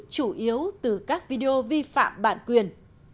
chủ yếu từ các video vi phạm bản quyền